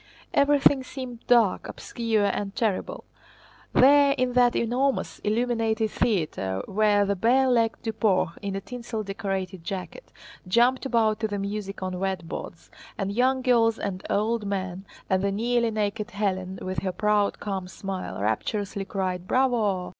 Everything seemed dark, obscure, and terrible. There in that enormous, illuminated theater where the bare legged Duport, in a tinsel decorated jacket, jumped about to the music on wet boards, and young girls and old men, and the nearly naked Hélène with her proud, calm smile, rapturously cried "bravo!"